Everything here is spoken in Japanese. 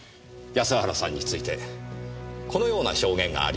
安原さんについてこのような証言がありました。